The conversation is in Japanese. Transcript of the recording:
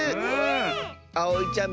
あおいちゃん